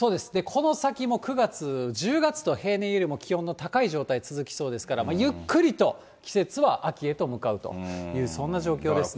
この先も９月、１０月と平年よりも気温の高い状態続きそうですから、ゆっくりと季節は秋へと向かうという、そんな状況ですね。